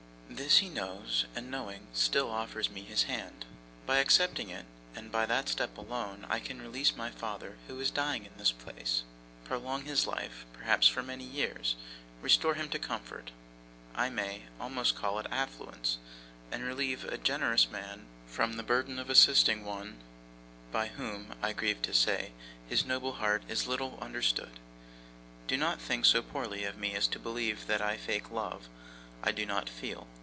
This he knows, and knowing, still offers me his hand. By accepting it, and by that step alone, I can release my father who is dying in this place; prolong his life, perhaps, for many years; restore him to comfort I may almost call it affluence; and relieve a generous man from the burden of assisting one, by whom, I grieve to say, his noble heart is little understood. Do not think so poorly of me as to believe that I feign a love I do not feel.